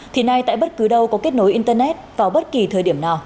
thì nay tại bất cứ đâu có kết nối internet vào bất kỳ thời điểm nào